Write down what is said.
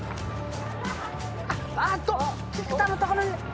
あっと菊田のところに！